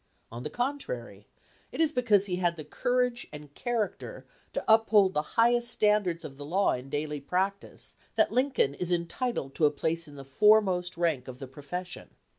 On the contrary, it is because he had the courage and character to up hold the highest standards of the law in daily practice that Lincoln is entitled to a place in the foremost rank of the profession.